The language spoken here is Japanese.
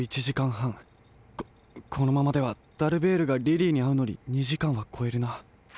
こっこのままではダルベールがリリーにあうのに２じかんはこえるな。